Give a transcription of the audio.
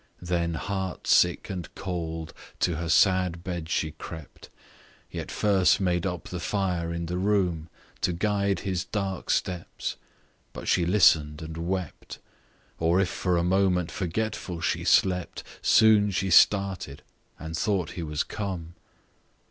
Then heart sick and cold to her sad bed she crept, Yet first made up the fire in the room To guide his dark steps; but she listen'd and wept, Or if for a moment forgetful she slept, Soon she started! and thought he was come.